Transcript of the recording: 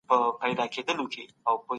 پښتون باید خپل ثقافت وڅېړي